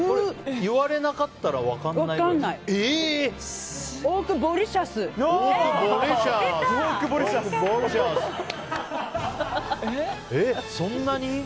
言われなかったら分からないレベル？分かんない。